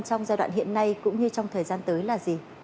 trong giai đoạn hiện nay cũng như trong thời gian tới là gì